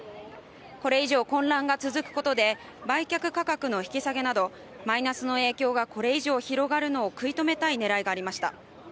これ以上混乱が続くことで売却価格の引き下げなどマイナスの影響がこれ以上広がるのを食い止めたい狙いがありました。